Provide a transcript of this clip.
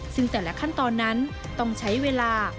ซึ่งแต่ละขั้นตอนนั้นต้องใช้เวลา